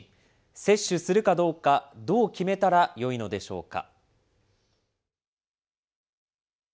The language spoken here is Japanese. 接種するかどうか、どう決めたらよいのでしょうか。